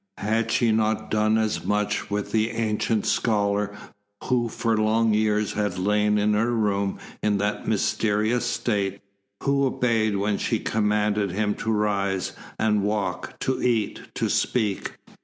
Had she not done as much with the ancient scholar who for long years had lain in her home in that mysterious state, who obeyed when she commanded him to rise, and walk, to eat, to speak?